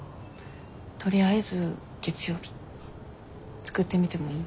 とりあえず月曜日作ってみてもいい？